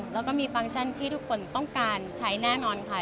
แล้วก็มีฟังก์ชันที่ทุกคนต้องการใช้แน่นอนค่ะ